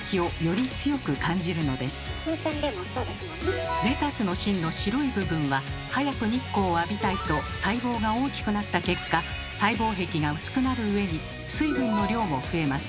だからレタスの芯の白い部分は早く日光を浴びたいと細胞が大きくなった結果細胞壁が薄くなる上に水分の量も増えます。